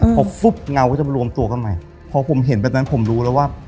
พอปุ๊บเงาก็จะมารวมตัวกันใหม่พอผมเห็นแบบนั้นผมรู้แล้วว่า